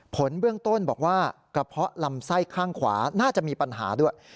ผลเบื้องต้นบอกว่ากระเพาะลำไส้ข้างขวาน่าจะมีปัญหาด้วย